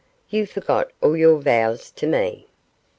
You forgot all your vows to me.